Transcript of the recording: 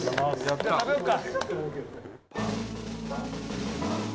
食べようか。